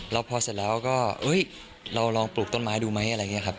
แล้วพอเสร็จแล้วก็เราลองปลูกต้นไม้ดูไหมอะไรอย่างนี้ครับ